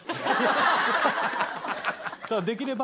できれば。